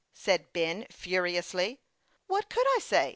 " said Ben, furiously. " What could I say